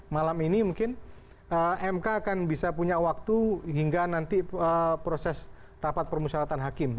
malam ini mungkin mk akan bisa punya waktu hingga nanti proses rapat permusyaratan hakim